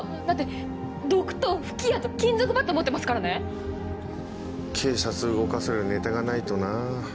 ⁉だって毒と吹き矢と金属バット持ってますからね⁉警察動かせるネタがないとなぁ。